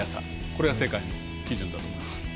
これが世界基準だと思います。